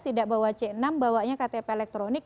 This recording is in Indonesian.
tidak bawa c enam bawanya ktp elektronik